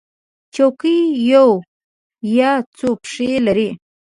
چوکۍ یو یا څو پښې لري.